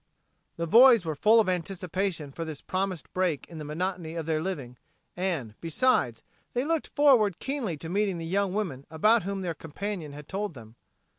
The boys were full of anticipation for this promised break in the monotony of their living; and, besides, they looked forward keenly to meeting the young women about whom their companion had told them.